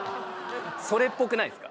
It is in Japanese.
それっぽくないですか？